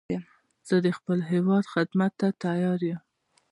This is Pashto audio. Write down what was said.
زه د خپل هېواد خدمت ته تیار یم